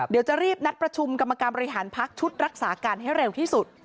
เดี๋ยวจะรีบนัดประชุมกรรมการบริหารพักชุดรักษาการให้เร็วที่สุด